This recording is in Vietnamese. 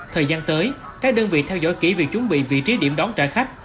thời gian tới các đơn vị theo dõi kỹ việc chuẩn bị vị trí điểm đón trả khách